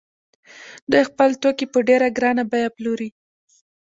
دوی خپل توکي په ډېره ګرانه بیه پلوري